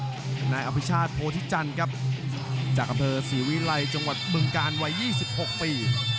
ส่วนทางด้านพริการเจ้าหลักจาหนเปลี่ยบดอาวุธไฟล์ส่วนจังหวัดมึงกาลวัย๒๖ปี